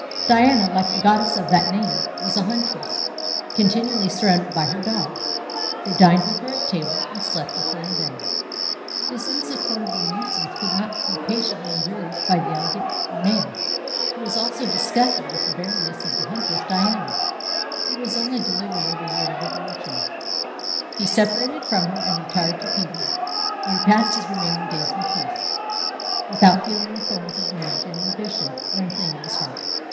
Diana, like the goddess of that name, was a huntress, continually surrounded by her dogs: they dined with her at table, and slept with her in bed. This insupportable nuisance could not be patiently endured by the elegant Honoré. He was also disgusted with the barrenness of the huntress Diana, who was only delivered every year of abortions. He separated from her, and retired to Piedmont, where he passed his remaining days in peace, without feeling the thorns of marriage and ambition rankling in his heart.